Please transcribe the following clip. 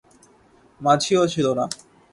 মাঝিও ছিল না।